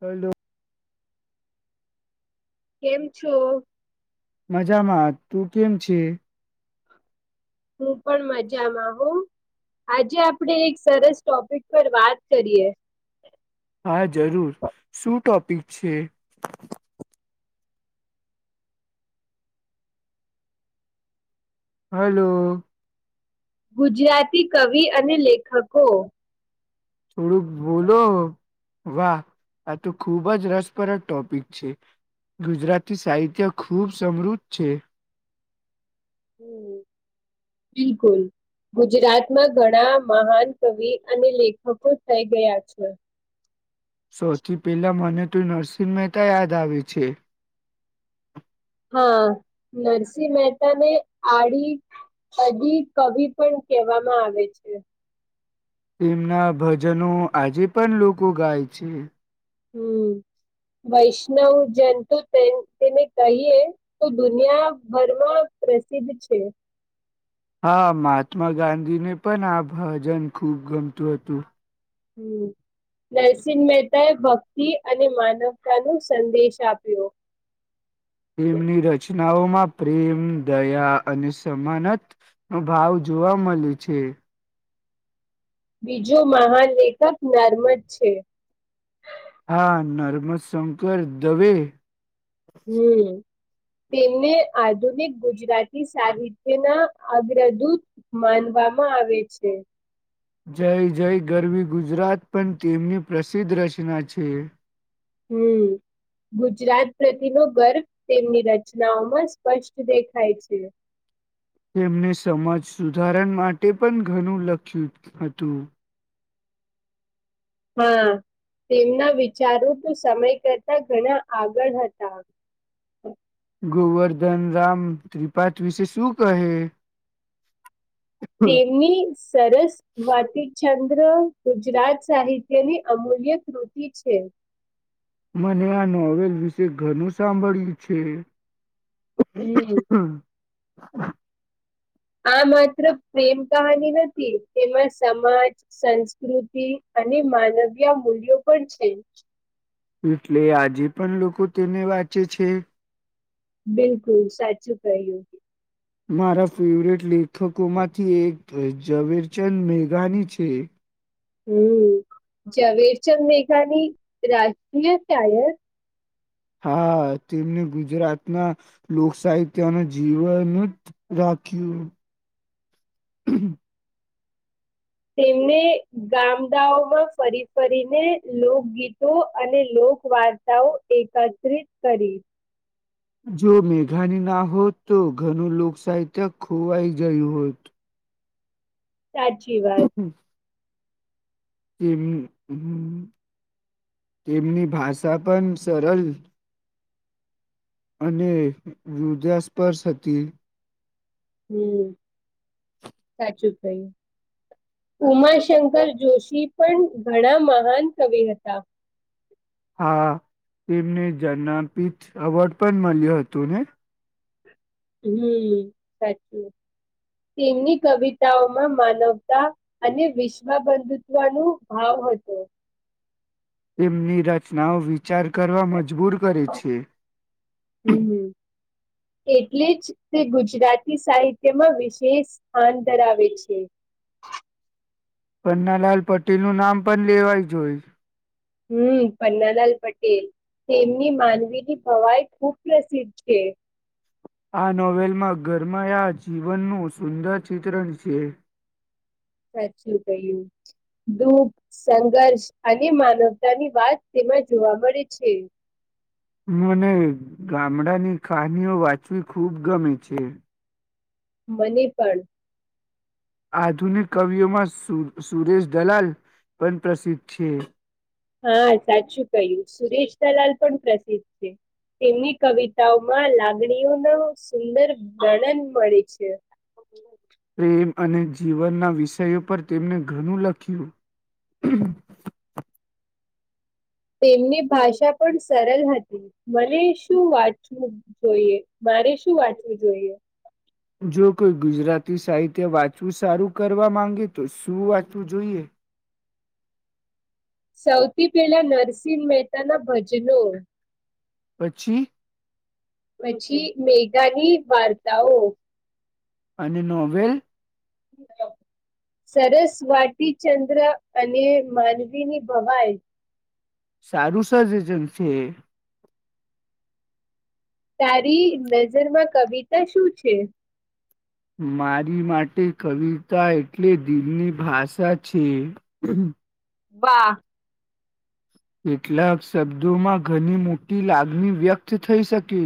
હલ્દું કેમ છું મજામાં તું કેમ છે હું પણ મજામાં હોઉ આજે આપડે એક સરસ ટોપિક પર વાત કરીએ હા જરૂર શું ટોપિક છે હલો ગુજરાતી કવિ અને લેખકો છોડુંક બોલો વાહ આ તો ખૂબ જ રસપ્રદ ટોપિક છે ગુજરાતી સાહિત્ય ખૂબ સમૃદ્ધ છે બિલકુલ ગુજરાતમાં ઘણા મહાન કવિ અને લેખકો થઈ ગયા છે સૌથી પહેલા મને તો નરસિંહ મહેતા યાદ આવે છે હા નરસિંહ મહેતાને આડી અધી કવિ પણ કેવા આવે છે તેમના ભજનો આજે પણ લોકો ગાય છે હમ વૈષ્ણવ જંતુ તેને કહીએ તો દુનિયાભરમાં પ્રસિદ્ધ છે હા મહાત્મા ગાંધીને પણ આ ભજન ખુબ ગમતું હતું હમ નરસિંહ મહેતાએ ભક્તિ અને માનવતા ન સંદેશ આપ્યો એમની રચી નામાં પ્રેમ દયા અને સમાનત નો ભાવ જોવા મળે છે બીજો મહાનલેેખક નર્મદ છે હા નર્મદશંકર દવે હમ [inaudible] તેમને આધુનિક ગુજરાતી સાહિત્યના અગ્રદૂત માનવામાં આવે છે જય જય ગરવી ગુજરાત પણ તેમની પ્રસિદ્ધ રચના છે હમ ગુજરાત પ્રતિનો ગર્વ તેમની રચનાઓમાં સ્પષ્ટ દેખાય છે [inaudible] તેમણે સમાજ સુધારણ માટે પણ ઘણું લખ્યું હતું હા તેમના વિચારો તો સમય કરતા ઘણા આગળ હતા. [inaudible] ગોવર્ધન રામ ત્રિપાઠ વિશે સુું કહે. તેમની સરસ વાત ચછા સમ્ર ગુજરાત સાહિત્યની અમૂલ્ય કૃતિ છે. મને આ નોવેલ વિશે ઘણું સાંભળ્યું છે. હમ [unintelligible] આ માત્ર પ્રેમ કહાની નથી તેમાં સમાજ સંસ્કૃતિ. અને માનવીયા મૂલ્યો પણ છે. એટલે આજે પણ લોકો તેને વાંચે છે. બિલકુલ સાચું કહ્યું. મારા ફેવરટ લેખકોમાંથી એક તો એ ઝવેરચંદ મેઘાની છે. હમ, જવેરચંદ મેઘાની રાજકીય ચયક હા તેમને ગુજરાત ના, લોક સાહિત્ય ન જીવન જ ખ [unintelligible] તેમને ગામડાાઓમાં ફરી ફરીને લોકગીતો અને લો લોક વાર્તાઓ એકત્રિત કરી. જો મેઘાની ના હોત તો ઘનું લોકસાહિત્ય ખોવાઈ ગયું હોત. સાચી વાત. કે હમ હમ. તેમની ભાષા પણ સરળ. અને હૃધાસ્પર્શ હતી. હમ, સાચું કહ્યું. ઉમાશંકર જોશી પણ ઘણા મહાન કવિ હતા. [inaudible] હા, તેમને જના પીચ એવોર્ડ પણ મળ્યો હતો ને? હમ સાચી. તેમની કવિતાઓમાં માનવતા અને વિશ્વ બંધુત્વ ન ભાવ હો તો. [inaudible] તેમની રચનાઓ વિ વિચાર કરવા મજબૂર કરે છે. હમ એટલે જ તે ગુજરાતી સાહિત્યમાં વિશેષ સ્થાન ધરાવે છે. પન્નાલાલ પટેલ નું નામ પણ લેવાય જોય. હમ પન્નાલાલ પટેલ. તેમની માનવીની ભવાઈ ખૂબ પ્રસિદ્ધ છે. આ નોવેલમાં ઘરમાયા જીવનનું સુંદર ચિત્રણ છે. સાચું કહ્યું. દુઃખ, સંઘર્ષ અને માનવતાની વાત તેમાં જોવા મળે છે. હ. [inaudible] મને ગામડાની કહાનીઓ વાંચવી ખૂબ ગમે છે. મને પણ. આધુનિક કવિઓમાં સુરેશ દલાલ પણ પ્રસિદ્ધ છે. હા સાચું કહ્યું સુરેશ દલાલ પણ પ્રસિદ્ધ છે. તેમની કવિતાઓમાં લાગણીઓ ન સુંદર વર્ણન મળે છે. પ્રેમ અને જીવનના વિષયો પર તેમણે ઘણું લખ્યું. હ [unintelligible] તેમની ભાષા પણ સરળ હતી, મને શું વાંચવું જોઈએ. મારે શું વાંચવું જોઈએ? જો કોઈ ગુજરાતી સાહિત્ય વાંચવું સારું કરવા માંગે તો શું વાંચવું જોઈએ. સૌથી પહેલા નરસિંહ મહેતાના ભજનો. પછી? પછી મેગાની વાર્તાઓ. અને નોવેલ? સરસ વાટીચંદ્ર અને માનવીની ભવાઈ. સારું સજેશનછે. તારી નજરમાં કવિતા શું છે? મારી માટે કવિતા એટલે દિલની ભાષા છે. વાહ. કેટલાક શબ્દોમાં ઘણી મોટી લાગણી વ્યક્ત થઈ શકે.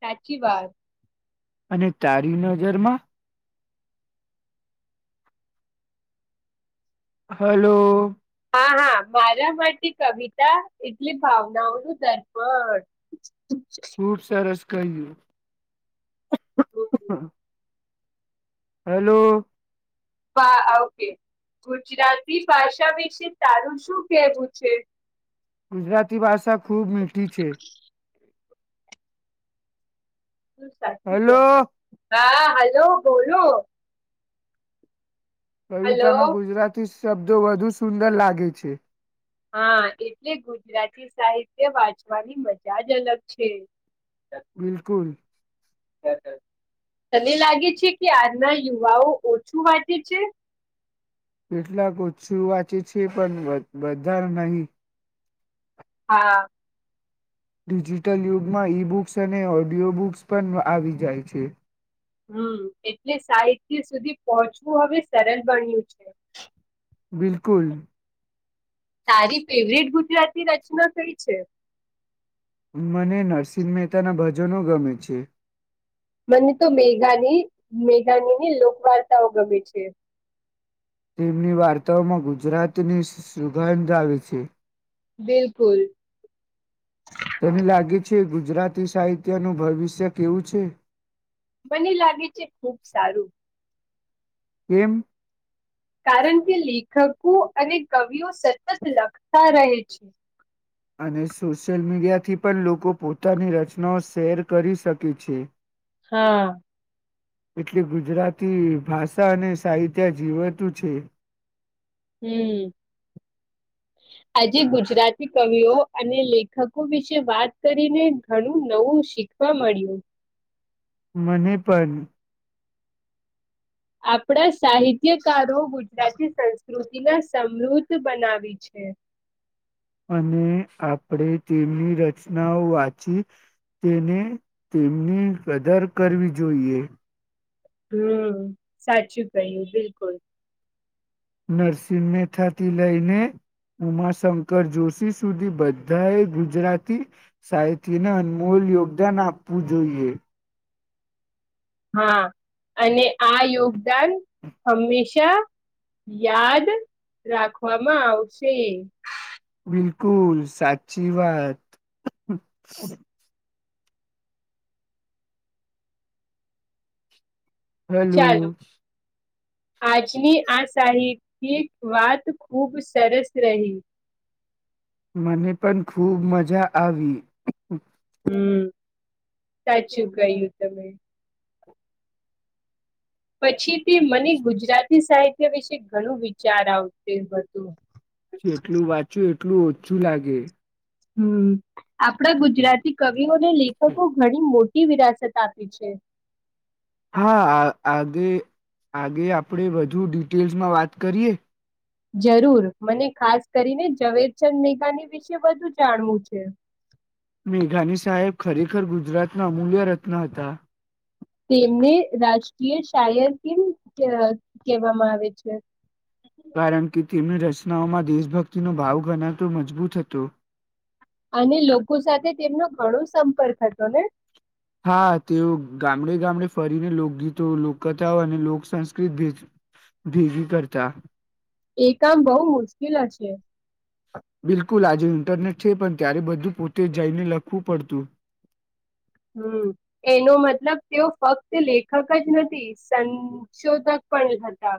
સાચી વાત. અને તારી નજરમાં? હલો. હા હા મારા માટે કવિતા એટલે ભાવનાઓ નું દર્પણ ખુબ સરસ કહ્યું હેલો હા ઓકે ગુજરાતી ભાષા વિશે તારું શું કેહેવું છે ગુજરાતી ભાષા ખૂબ મીઠી છે ું સાચું ક હલો હા હાલલો બોલો હલો કવિતામાં ગુજરાતી શબ્દો વધુ સુંદર લાગે છે હા એટલે ગુજરાતી સાહિત્ય વાંચવાની મજા જ અલગ છે બિલકુલ હ હા તને લાગે છે કે આજના યુવાઓ ઓછું વાંટેે છે કેટલાકછું વાચી છે પણ બા નહીં હા ડિજિટલ યુગમાં ઈ બુક્સ અને ઓડિયો બુક્સ પણ આવી જાય છે હમ એટલે સાહિત્ય સુધી પહોંચવું હવે સરળ બન્યું છે બિલકુલ તારી ફેવરિટ ગુજરાતી રચના કઈ છે મને નરસિંહ મહેતા ના ભજનો ગમે છે મને તો મેઘાની મેઘાનીની લોકવાર્તાઓ ગમે છે તેમની વાર્તાઓમાં ગુજરાતની સુગંધ આવે છે બિલકુલ તને લાગે છે ગુજરાતી સાહિત્યનું ભવિષ્ય કેવું છે મને લાગે છે ખુબ સારું એમ કારણ કે લેખકો અને કવિઓ સતત લખતા રહે છે અને સોશિયલ મીડિયાથી પણ લોકો પોતાની રચનાઓ શેર કરી શકે છે હા એટલે ગુજરાતી ભાષા અને સાહિત્ય જીવાતું છે હમ [inaudible] આજે ગુજરાતી કવિઓ અને લેખકો વિશે વાત કરીને ઘણું નવું શી શીખવા મળ્યું મને પણ આપણા સાહિત્યકારો ગુજરાતી સંસ્કૃતિના સમૃદ્ધ બનાવી છે અને આપણે તેમની રચનાઓ વાંચી તેને તેમની કદર કરવી જોઈએ. હમ... સાચું કહ્યું બિલકુલ. નરસિંહ મેથાથી લઈને ઉમાશંકર જોશી સુધી બધા એ ગુજરાતી સાહિત્યના અનમોલ યોગદાન આપવું જોઈએ. હા અને આ યોગદાન હંમેશા. યાદ રાખવામાં આવશે. બિલકુલ સાચી વાત. ચાલો હલો. આજની આ સાહિત્યિક વાત ખૂબ સરસ રહી. મને પણ ખુબ મજા આવી. હમ.. [unintelligible] ગયું તમે. પછી તે મને ગુજરાતી સાહિત્ય વિશે ઘણું વિચાર આવતુ હતું. જેટલું વાંચ્યું એટલું ઓછું લાગે. હમ.. આપણા ગુજરાતી કવિઓ અને લેખકો ઘણી મો વિરાસત આપી છે. હા આ આગે આગે આપડે વધુ ડિટેલ્સમાં વાત કરીએ. જરૂર મને ખાસ કરીને ઝવેરચંદ મેઘાની વિશે વધુ જાણવું છે. મેઘાની સાહેબ ખરેખર ગુજરાતના અમૂલ્ય રત્ન હતા. તેમને રાજકીય શાયર કેમ કહેવ કહેવામાં આવે છે. કારણ કે તેમની રચનાઓમાં દેશભક્તિનો ભાવ ગણાતો મજબૂત હતો. અને લોકો સાથે તેમનો ઘણો સંપર્ક હતો ને. હા તેઓ ગામડે ગામડે ફરીને લોકગીતો લોકથાઓ અને લોક સંંસ્કૃત ભે ભીવી કરતા. એ કામ બહુ મુશ્કેલ હશે. બિલકુલ આજે ઇન્ટરનેટ છે પણ ત્યારે બધું પોતે જઈને લખવું પડતું. હમ એનો મતલબ તેઓ ફક્ત લેખક જ નથી સંશોધક પણ હતા.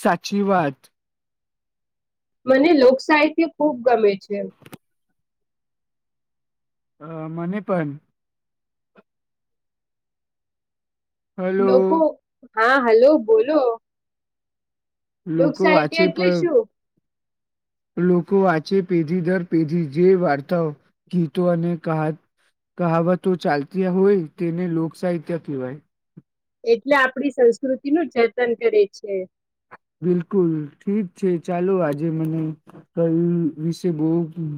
સાચી વાત. મને લોકસાહિત્ય ખૂબ ગમે છે. અ મને પણ. લોકો હલો. હા હલો બોલો. લોક લોકો સાહિત્ય વાંચે એટલે પણ શું? લોકો વાંચે પેધી દર પેધી જે વાર્તાઓ, ગીતો અને કાત કહાવતો ચાલતી હોય તેને લોક સાહિત્ય કહેવાય. એટલે આપડી સંસ્કૃતિનું જતન કરે છે. બિલકુલ ઠીક છે ચાલો આજે મને કઈ વી વિશે બો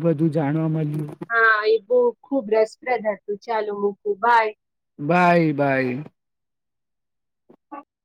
વ [unintelligible] જાણવા મળ હા એ બહુ ખુબ રસપ્રદ હતું ચાલો મૂકું બાય. Bye by. [inaudible]